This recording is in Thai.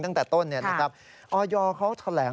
ยอมรับว่าการตรวจสอบเพียงเลขอยไม่สามารถทราบได้ว่าเป็นผลิตภัณฑ์ปลอม